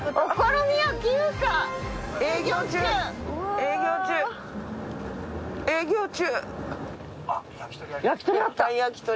営業中営業中。